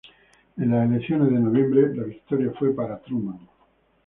En las elecciones de noviembre, la victoria fue para Truman.